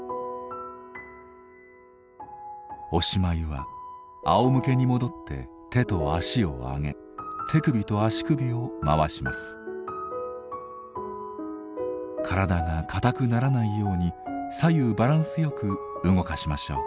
おしまいはあおむけに戻って手と脚を上げ体が硬くならないように左右バランスよく動かしましょう。